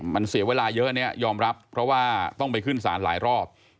มันเสียเวลาเยอะเนี่ยยอมรับเพราะว่าต้องไปขึ้นศาลหลายรอบ